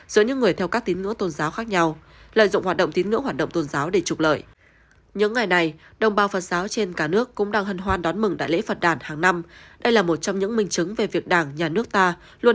giữa những người theo các tín ngưỡng tôn giáo khác nhau lợi dụng hoạt động tín ngưỡng hoạt động tôn giáo để trục lợi